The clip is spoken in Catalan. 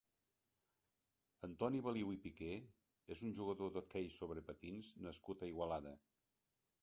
Antoni Baliu i Piqué és un jugador d'hoquei sobre patins nascut a Igualada.